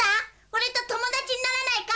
俺と友達にならないか？